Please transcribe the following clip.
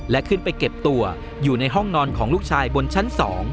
และขึ้นไปเก็บตัวอยู่ในห้องนอนของลูกชายบนชั้น๒